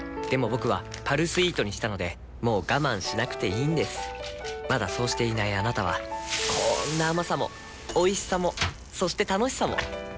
僕は「パルスイート」にしたのでもう我慢しなくていいんですまだそうしていないあなたはこんな甘さもおいしさもそして楽しさもあちっ。